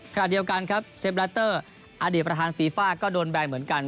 ขณะเดียวกันครับเซฟลาเตอร์อดีตประธานฟีฟ่าก็โดนแบนเหมือนกัน